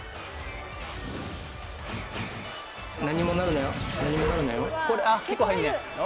何もなるなよ